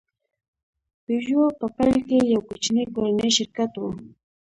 پيژو په پیل کې یو کوچنی کورنی شرکت و.